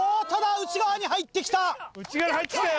内側に入ってきたよ！